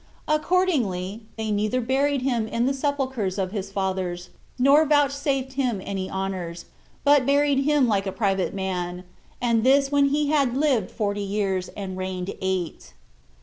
Accordingly, they neither buried him in the sepulchers of his fathers, nor vouchsafed him any honors, but buried him like a private man, and this when he had lived forty years, and reigned eight.